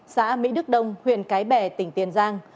xã mỹ đức đông huyện cái bè tỉnh tiền giang